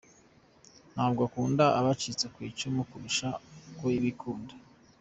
Ntabwo akunda abacitse ku icumu kurusha uko bikunda.